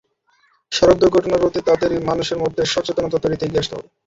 সড়ক দুর্ঘটনা রোধে তাঁদেরই মানুষের মধ্যে সচেতনতা তৈরিতে এগিয়ে আসতে হবে।